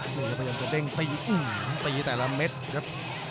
พยายามจะเด้งตีแต่ละเม็ดครับ